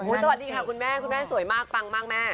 สวัสดีค่ะคุณแม่คุณแม่สวยมากปังมากแม่